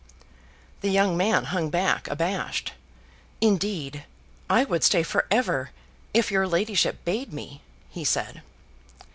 The young man hung back abashed. "Indeed, I would stay for ever, if your ladyship bade me," he said.